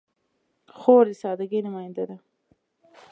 خور د سادګۍ نماینده ده.